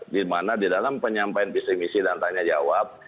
dimana di dalam penyampaian visi misi dan tanya jawab